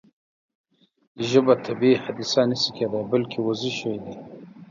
ژبه طبیعي حادثه نه شي کېدای بلکې وضعي شی دی.